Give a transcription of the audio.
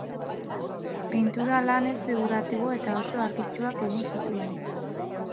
Pintura-lan ez-figuratibo eta oso argitsuak egin zituen.